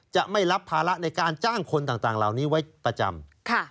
จะไม่รับภาระในการจ้างคนต่างเหล่านี้ไว้ประจำ